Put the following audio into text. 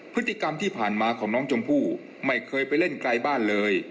พฤติกรรมที่ผ่านมาของน้องชมพู่ไม่เคยไปเล่นไกลบ้านเลย